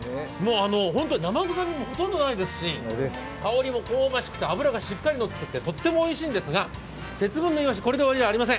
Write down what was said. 生臭みもほとんどないですし香りも香ばしくて脂がしっかりのっておいしいんですが節分のイワシ、これで終わりではありません。